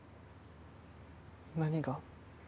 何が？